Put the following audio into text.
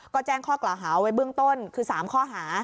ก็แจ้งข้อกล่าวหาไว้เบื้องต้นคือ๓ข้อหา